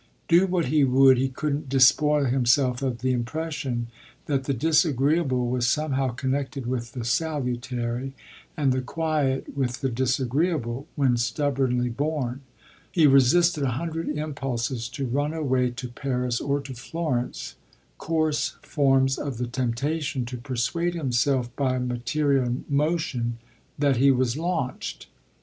Do what he would he couldn't despoil himself of the impression that the disagreeable was somehow connected with the salutary, and the "quiet" with the disagreeable, when stubbornly borne; so he resisted a hundred impulses to run away to Paris or to Florence, coarse forms of the temptation to persuade himself by material motion that he was launched.